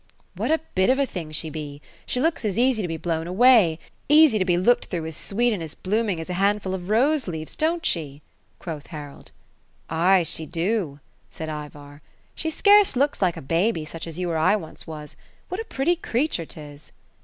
" Woat a bit of a thing she be I she looks as easy to be blown away, easy to be looked through, as sweet and as blooming, as a handful of rose* leaves, don't she ?" quoth Harald. "' Ay. she do ;" said Ivar. '* She scarce loooks like a baby, such as you or I once was. What a pretty creature His